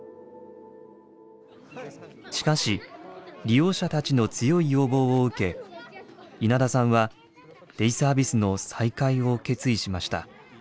しかし利用者たちの強い要望を受け稲田さんはデイサービスの再開を決意しました。